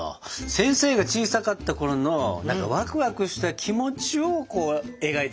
先生が小さかったころのワクワクした気持ちを描いてるんだね。